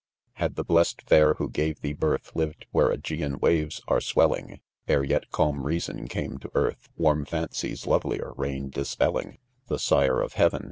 Had the blest fair who gave thee Mrth 9 Lived where iEgean waves are swelling, Ere yet calm reason came to earth, Warm Faney's lovelier reign dispelling^, The Sire of Heaven.